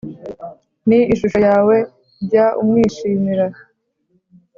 ni ishusho yawe jya umwishimira